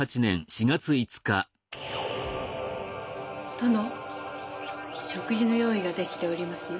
殿食事の用意ができておりますよ。